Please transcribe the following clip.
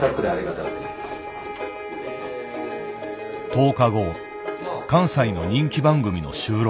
１０日後関西の人気番組の収録。